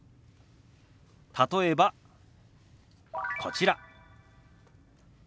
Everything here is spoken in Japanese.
例えばこちら。